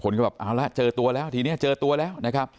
ครับคนก็แบบเอาล่ะเจอตัวแล้วนะครับโน่วคนก็เจอตัวแล้วนะครับ